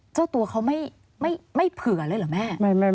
เจ้าตัวเขาไม่เผื่อเลยเหรอแม่